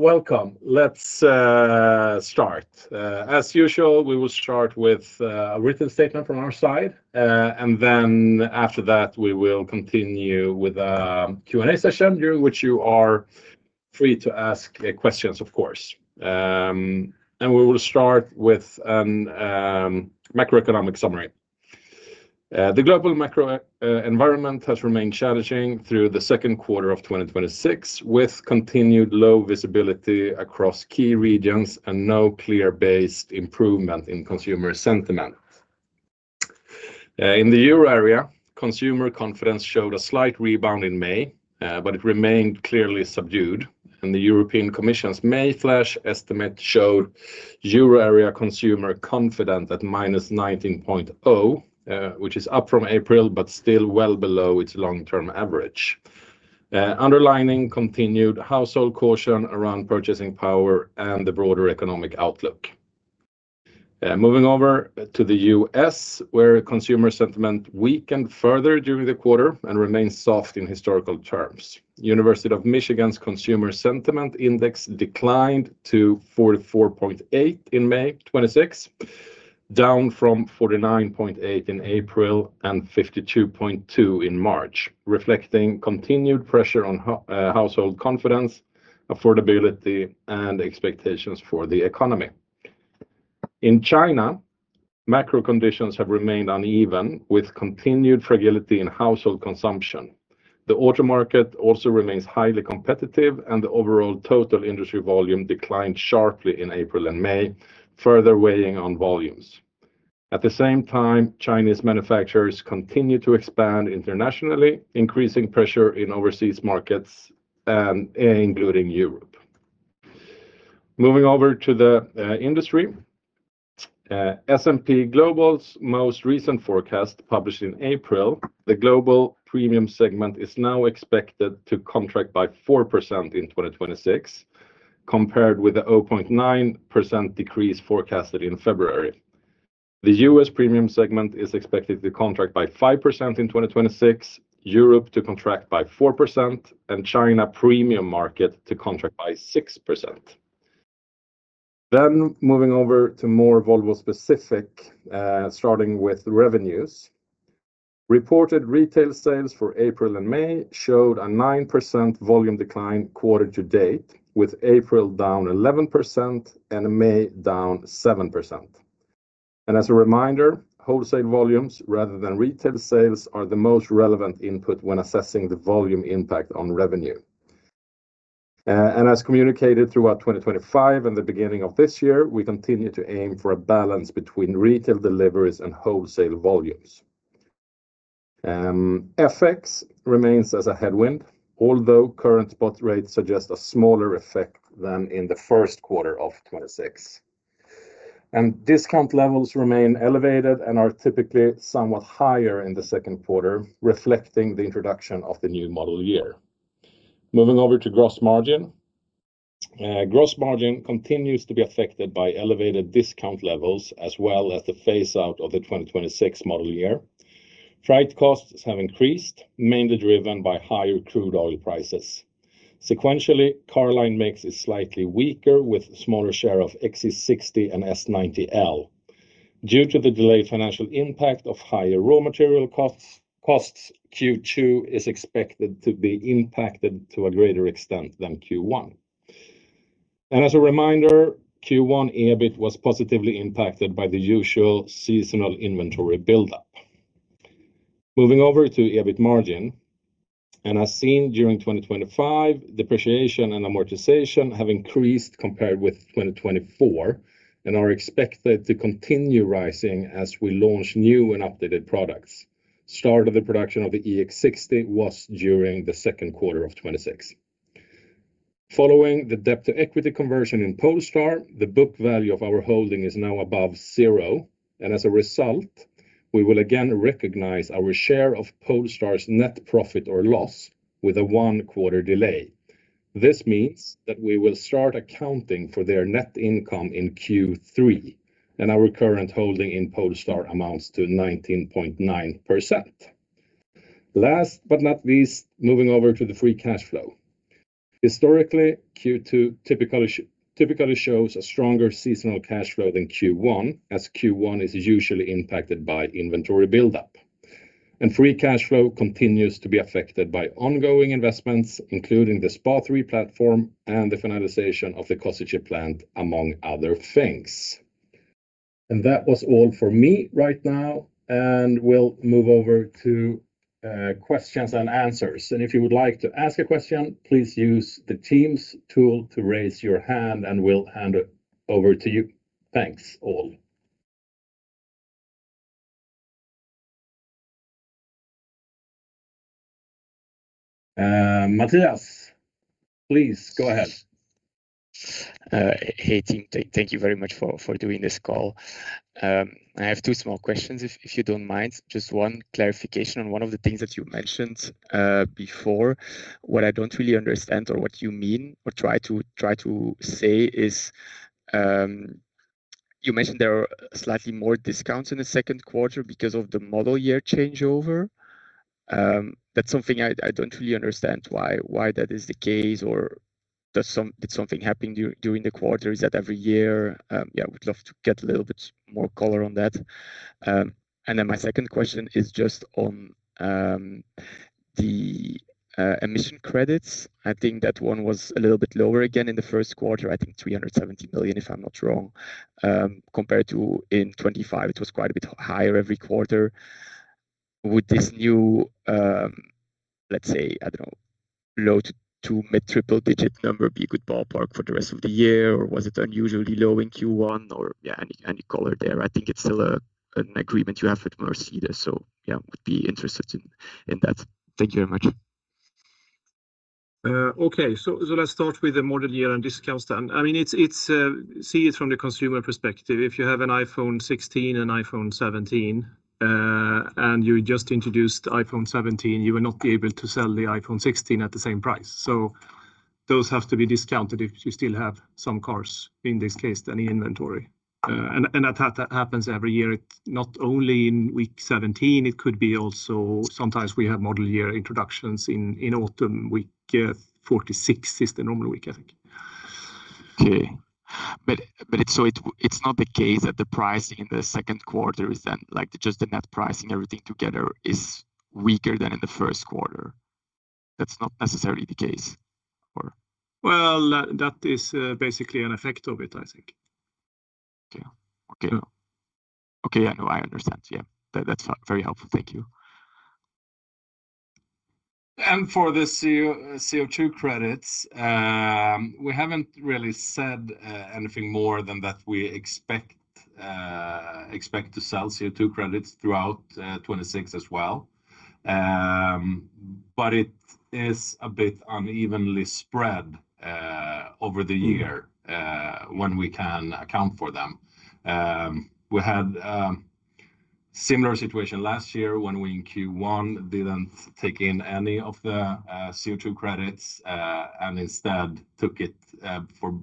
Welcome. Let's start. As usual, we will start with a written statement from our side, then we will continue with a Q&A session, during which you are free to ask questions, of course. We will start with a macroeconomic summary. The global macro environment has remained challenging through the second quarter of 2026, with continued low visibility across key regions and no clear based improvement in consumer sentiment. In the Euro area, consumer confidence showed a slight rebound in May, but it remained clearly subdued. The European Commission's May flash estimate showed Euro area consumer confidence at -19.0, which is up from April but still well below its long-term average, underlining continued household caution around purchasing power and the broader economic outlook. Moving over to the U.S., where consumer sentiment weakened further during the quarter and remains soft in historical terms. University of Michigan's Consumer Sentiment Index declined to 44.8 in May 2026, down from 49.8 in April and 52.2 in March, reflecting continued pressure on household confidence, affordability, and expectations for the economy. In China, macro conditions have remained uneven, with continued fragility in household consumption. The auto market also remains highly competitive. The overall total industry volume declined sharply in April and May, further weighing on volumes. At the same time, Chinese manufacturers continue to expand internationally, increasing pressure in overseas markets, including Europe. Moving over to the industry. S&P Global's most recent forecast, published in April, the global premium segment is now expected to contract by 4% in 2026, compared with the 0.9% decrease forecasted in February. The U.S. premium segment is expected to contract by 5% in 2026, Europe to contract by 4%, China premium market to contract by 6%. Moving over to more Volvo specific, starting with revenues. Reported retail sales for April and May showed a 9% volume decline quarter to date, with April down 11% and May down 7%. As a reminder, wholesale volumes, rather than retail sales, are the most relevant input when assessing the volume impact on revenue. As communicated throughout 2025 and the beginning of this year, we continue to aim for a balance between retail deliveries and wholesale volumes. FX remains as a headwind, although current spot rates suggest a smaller effect than in the first quarter of 2026. Discount levels remain elevated and are typically somewhat higher in the second quarter, reflecting the introduction of the new model year. Moving over to gross margin. gross margin continues to be affected by elevated discount levels as well as the phase-out of the 2026 model year. Freight costs have increased, mainly driven by higher crude oil prices. Sequentially, car line mix is slightly weaker, with a smaller share of XC60 and S90L. Due to the delayed financial impact of higher raw material costs, Q2 is expected to be impacted to a greater extent than Q1. As a reminder, Q1 EBIT was positively impacted by the usual seasonal inventory buildup. Moving over to EBIT margin. As seen during 2025, depreciation and amortization have increased compared with 2024 and are expected to continue rising as we launch new and updated products. Start of the production of the EX60 was during the second quarter of 2026. Following the debt-to-equity conversion in Polestar, the book value of our holding is now above zero. We will again recognize our share of Polestar's net profit or loss with a one-quarter delay. This means that we will start accounting for their net income in Q3, our current holding in Polestar amounts to 19.9%. Last but not least, moving over to the free cash flow. Historically, Q2 typically shows a stronger seasonal cash flow than Q1, as Q1 is usually impacted by inventory buildup. Free cash flow continues to be affected by ongoing investments, including the SPA3 platform and the finalization of the Košice plant, among other things. That was all for me right now, we'll move over to questions and answers. If you would like to ask a question, please use the Teams tool to raise your hand, and we'll hand it over to you. Thanks, all. Mattias, please go ahead. Hey, team. Thank you very much for doing this call. I have two small questions, if you don't mind. Just one clarification on one of the things that you mentioned before. What I don't really understand or what you mean or try to say is- You mentioned there are slightly more discounts in the second quarter because of the model year changeover. That's something I don't really understand why that is the case, or did something happen during the quarter? Is that every year? Yeah, would love to get a little bit more color on that. Then my second question is just on the emission credits. I think that one was a little bit lower again in the first quarter, I think 370 million, if I'm not wrong. Compared to in 2025, it was quite a bit higher every quarter. Would this new, let's say, I don't know, low to mid triple-digit number be a good ballpark for the rest of the year, or was it unusually low in Q1? Yeah, any color there. I think it's still an agreement you have with Mercedes, yeah, would be interested in that. Thank you very much. Okay, let's start with the model year and discounts then. See it from the consumer perspective. If you have an iPhone 16 and iPhone 17, and you just introduced iPhone 17, you will not be able to sell the iPhone 16 at the same price. Those have to be discounted if you still have some cars, in this case, then in inventory. That happens every year, not only in week 17, it could be also sometimes we have model year introductions in autumn, week 46 is the normal week, I think. Okay. It's not the case that the pricing in the second quarter is just the net pricing, everything together is weaker than in the first quarter. That's not necessarily the case, or? Well, that is basically an effect of it, I think. Okay. I understand. That's very helpful. Thank you. For the CO2 credits, we haven't really said anything more than that we expect to sell CO2 credits throughout 2026 as well. It is a bit unevenly spread over the year when we can account for them. We had a similar situation last year when we, in Q1, didn't take in any of the CO2 credits, and instead took it for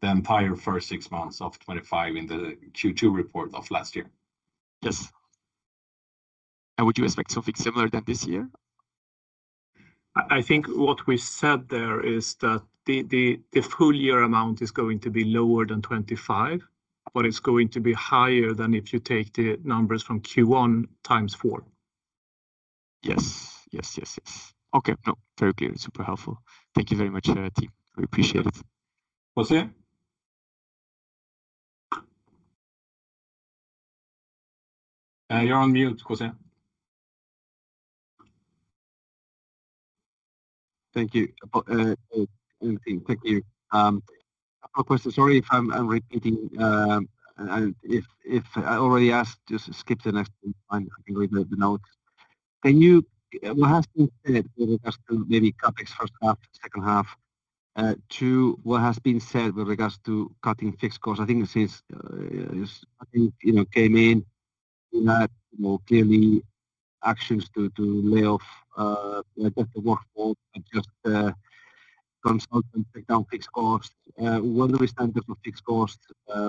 the entire first six months of 2025 in the Q2 report of last year. Yes. Would you expect something similar then this year? I think what we said there is that the full-year amount is going to be lower than 2025, but it's going to be higher than if you take the numbers from Q1 times four. Yes. Okay. No, very clear. Super helpful. Thank you very much, team. We appreciate it. Jose. You're on mute, Jose. Thank you, Martin. Thank you. A question, sorry if I'm repeating, and if I already asked, just skip to the next one. I can read the notes. What has been said with regards to maybe CapEx first half to second half, to what has been said with regards to cutting fixed costs? I think since came in, you had more clearly actions to lay off, reduce the workforce and just consultant take down fixed costs. Where do we stand with the fixed cost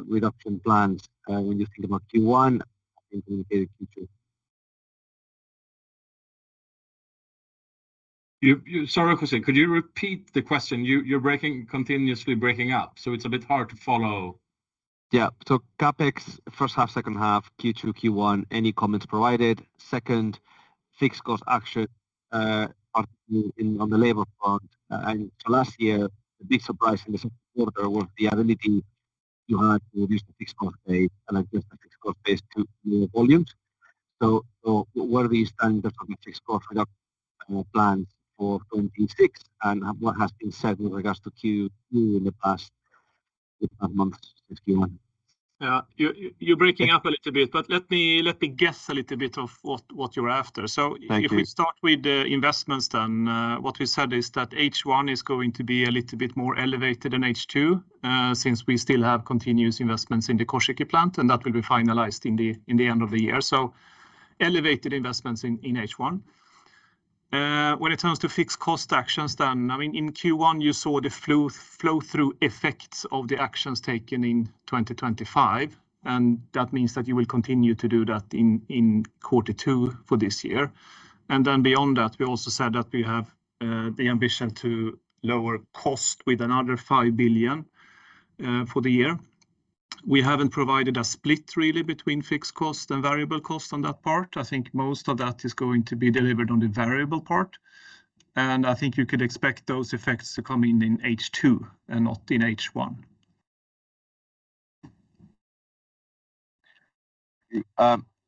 reduction plans when you think about Q1 and into Q2? Sorry, Jose, could you repeat the question? You're continuously breaking up, so it's a bit hard to follow. Yeah. CapEx first half, second half, Q2, Q1, any comments provided? Second, fixed cost action on the labor front. Last year, the big surprise in the second quarter was the ability you had to reduce the fixed cost base and adjust the fixed cost base to lower volumes. Where are we standing with the fixed cost reduction plans for 2026, and what has been said with regards to Q2 in the past month of Q1? You're breaking up a little bit, let me guess a little bit of what you're after. Thank you. If we start with the investments, then what we said is that H1 is going to be a little bit more elevated than H2, since we still have continuous investments in the Košice plant, and that will be finalized in the end of the year. Elevated investments in H1. When it comes to fixed cost actions, then, in Q1 you saw the flow-through effects of the actions taken in 2025, and that means that you will continue to do that in quarter two for this year. Beyond that, we also said that we have the ambition to lower cost with another 5 billion for the year. We haven't provided a split really between fixed cost and variable cost on that part. I think most of that is going to be delivered on the variable part, and I think you could expect those effects to come in in H2 and not in H1.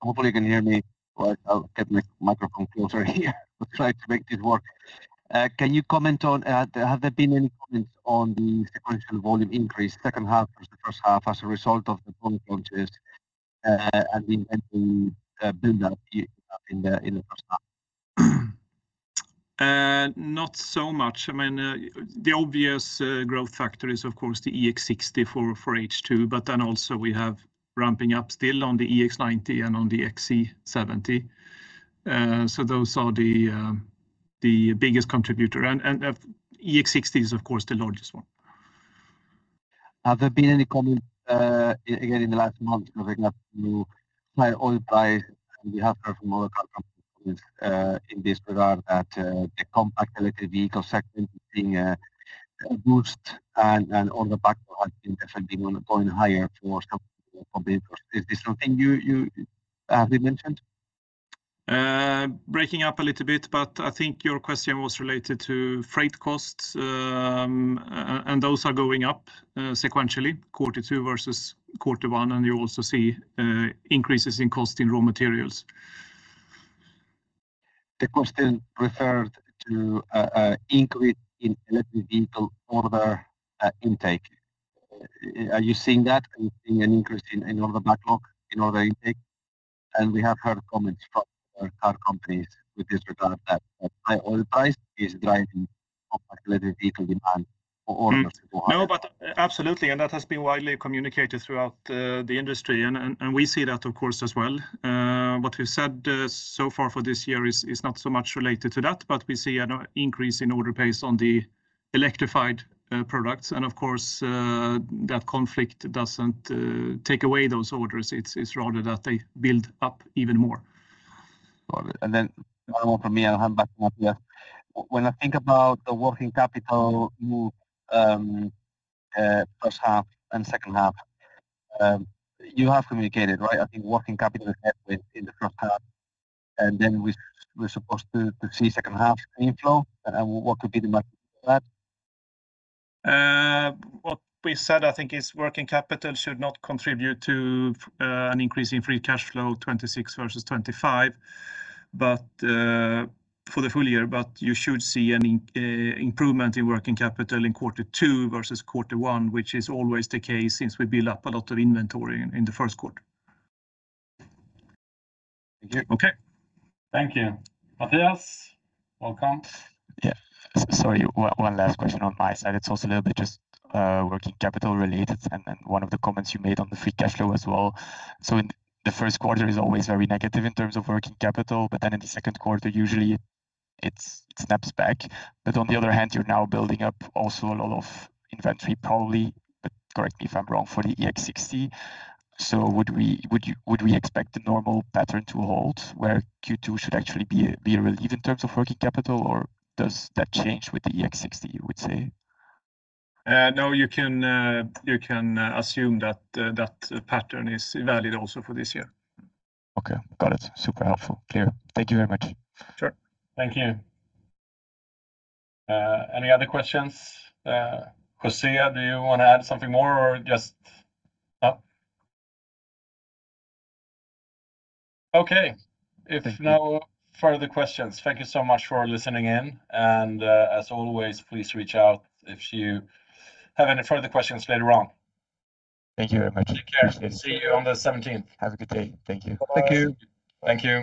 Hopefully you can hear me, or I'll get my microphone closer here. I'll try to make this work. Have there been any comments on the sequential volume increase second half versus the first half as a result of the volume launches and the inventory build-up in the first half? Not so much. I mean, the obvious growth factor is of course the EX60 for H2. Also, we have ramping up still on the EX90 and on the XC70. Those are the biggest contributor. EX60 is of course the largest one. Have there been any comments, again, in the last month regarding the high oil price? We have heard from other car companies in this regard that the compact electric vehicle segment is being boosted, and order backlog in effect going higher for some vehicles. Is this something you have mentioned? Breaking up a little bit. I think your question was related to freight costs. Those are going up sequentially quarter two versus quarter one. You also see increases in cost in raw materials. The question referred to an increase in electric vehicle order intake. Are you seeing that? Are you seeing an increase in order backlog, in order intake? We have heard comments from other car companies in this regard that high oil price is driving up electric vehicle demand for orders to go higher. Absolutely, that has been widely communicated throughout the industry, we see that of course as well. What we've said so far for this year is not so much related to that, but we see an increase in order pace on the electrified products. Of course, that conflict doesn't take away those orders. It's rather that they build up even more. Got it. One more from me, I'll hand back to Mattias. When I think about the working capital move first half and second half, you have communicated, right, I think working capital is negative in the first half, we're supposed to see second half inflow, what could be the margin for that? What we said, I think, is working capital should not contribute to an increase in free cash flow 2026 versus 2025 for the full year, you should see an improvement in working capital in quarter two versus quarter one, which is always the case since we build up a lot of inventory in the first quarter. Thank you. Okay. Thank you. Mattias, welcome. Yeah. Sorry, one last question on my side. It's also a little bit just working capital related, and then one of the comments you made on the free cash flow as well. In the first quarter is always very negative in terms of working capital, in the second quarter, usually it snaps back. On the other hand, you're now building up also a lot of inventory, probably, but correct me if I'm wrong, for the EX60. Would we expect the normal pattern to hold, where Q2 should actually be a relief in terms of working capital, or does that change with the EX60, you would say? No, you can assume that pattern is valid also for this year. Okay. Got it. Super helpful. Clear. Thank you very much. Sure. Thank you. Any other questions? Jose, do you want to add something more or just- No? Okay. Thank you. If no further questions, thank you so much for listening in, and, as always, please reach out if you have any further questions later on. Thank you very much. Take care. See you on the 17th. Have a good day. Thank you. Thank you. Thank you.